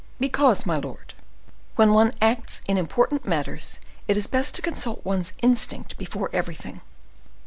"Because, my lord, when one acts in important matters, it is best to consult one's instinct before everything.